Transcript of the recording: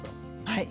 はい。